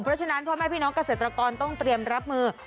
เพราะฉะนั้นพ่อแม่พี่น้องเกษตรกรต้องเตรียมรับมือ